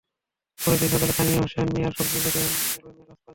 পরের দিন সকালে স্থানীয় হোসেন মিয়ার সবজিখেতে রহিমার লাশ পাওয়া যায়।